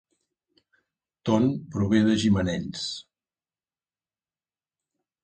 Ton prové de Gimenells